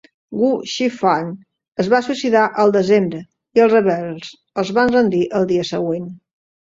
Wu Shifan es va suïcidar al desembre i els rebels es van rendir el dia següent.